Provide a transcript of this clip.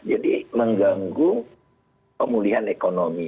jadi mengganggu pemulihan ekonomi